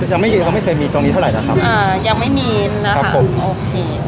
ยังไม่ยืนเขาไม่เคยมีตรงนี้เท่าไหร่นะครับอ่ายังไม่มีนะครับผมโอเค